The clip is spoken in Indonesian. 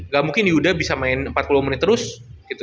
gak mungkin yuda bisa main empat puluh menit terus gitu